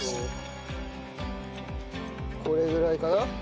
これぐらいかな？